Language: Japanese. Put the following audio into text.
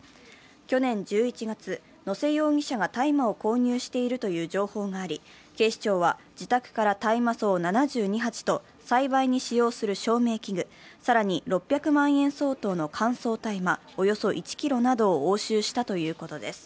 去年１１月、野瀬容疑者が大麻を購入しているという情報があり警視庁は、自宅から大麻草７２鉢と栽培に使用する照明器具、更に６００万円相当の乾燥大麻およそ１ｋｇなどを押収したということです。